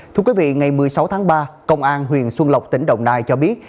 thưa quý vị ngày một mươi sáu tháng ba công an huyện xuân lộc tỉnh đồng nai cho biết